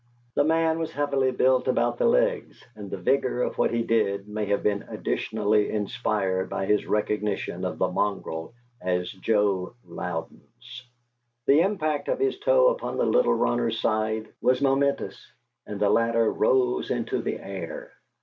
The man was heavily built about the legs, and the vigor of what he did may have been additionally inspired by his recognition of the mongrel as Joe Louden's. The impact of his toe upon the little runner's side was momentous, and the latter rose into the air.